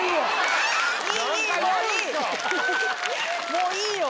もういいよ。